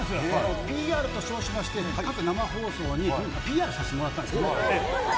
ＰＲと称しまして、各生放送にＰＲさせてもらったんですけど。